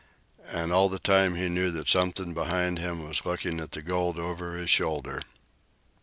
And all the time he knew that something behind him was looking at the gold over his shoulder.